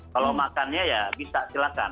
kalau makannya ya bisa silakan